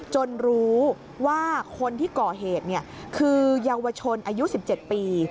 รู้ว่าคนที่ก่อเหตุคือเยาวชนอายุ๑๗ปี